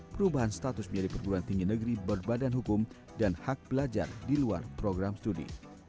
perubahan status menjadi perguruan tinggi negeri berbadan hukum dan hak belajar di luar program studi